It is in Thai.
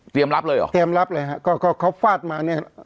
เตรียมรับเลยฮะก็เขาฟาดมาเนี่ย